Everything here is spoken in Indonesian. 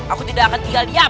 aku tidak akan tinggal diam